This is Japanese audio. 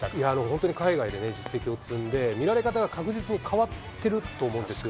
本当に海外で実績を積んで、見られ方が確実に変わってると思うんですよ。